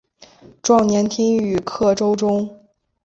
壮年听雨客舟中。